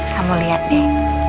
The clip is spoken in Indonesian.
kamu liat deh